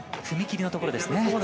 踏み切りのところですね。